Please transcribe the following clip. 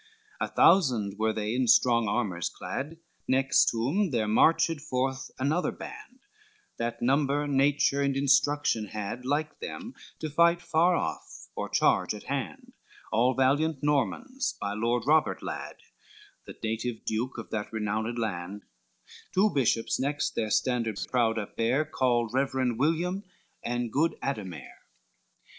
XXXVIII A thousand were they in strong armors clad, Next whom there marched forth another band, That number, nature, and instruction had, Like them to fight far off or charge at hand, All valiant Normans by Lord Robert lad, The native Duke of that renowned land, Two bishops next their standards proud upbare, Called Reverend William, and Good Ademare.